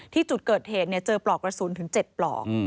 ที่จุดเกิดเหตุเจอปลอกกระสุนถึง๗ปลอก